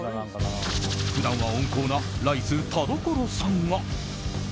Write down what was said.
普段は温厚なライス田所さんが。